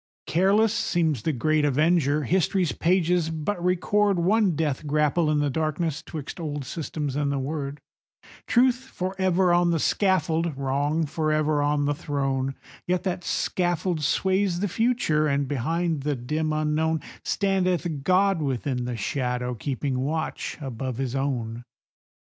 Careless seems the great Avenger; history's pages but record One death grapple in the darkness 'twixt old systems and the Word; Truth forever on the scaffold, Wrong forever on the throne,— Yet that scaffold sways the future, and, behind the dim unknown, Standeth God within the shadow, keeping watch above his own.